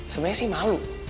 sebenarnya sih malu